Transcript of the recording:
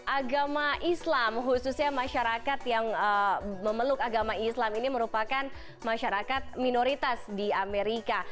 agama islam khususnya masyarakat yang memeluk agama islam ini merupakan masyarakat minoritas di amerika